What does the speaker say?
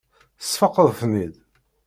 Tesfaqeḍ-ten-id.